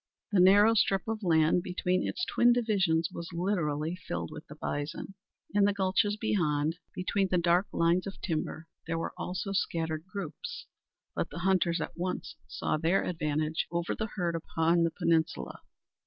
The narrow strip of land between its twin divisions was literally filled with the bison. In the gulches beyond, between the dark lines of timber, there were also scattered groups; but the hunters at once saw their advantage over the herd upon the peninsula.